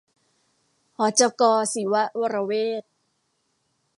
หจก.ศิวะวรเวท